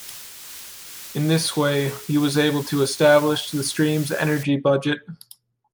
In this way he was able to establish the stream's energy budget.